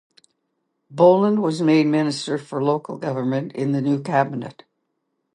Boland was made Minister for Local Government in the new cabinet.